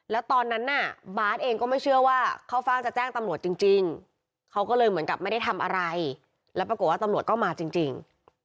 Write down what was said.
แล้วตอนนั้นน่ะบาร์ดเองก็ไม่เชื่อว่าเข้าฟ่างจะแจ้งตำรวจจริงเขาก็เลยเหมือนกับไม่ได้ทำอะไรแล้วปรากฏว่าตำรวจก็มาจริง